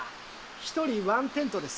１人ワンテントです。